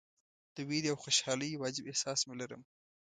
د ویرې او خوشالۍ یو عجیب احساس مې لرم.